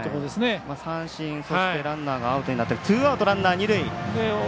三振、そしてランナーがアウトになってツーアウト、ランナー、二塁。